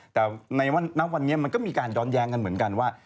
แต่ในวันนี้มันก็มีการย้อนแย้งกันเหมือนกันว่า